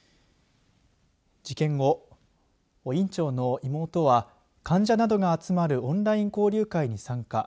事件後院長の妹は、患者などが集まるオンライン交流会に参加。